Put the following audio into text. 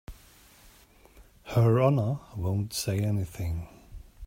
Her Honor won't say anything.